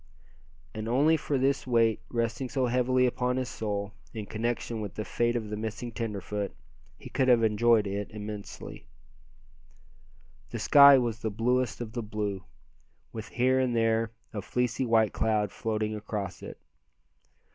And only for this weight resting so heavily upon his soul, in connection with the fate of the missing tenderfoot, he could have enjoyed it immensely. The sky was the bluest of the blue, with here and there a fleecy white cloud floating across it.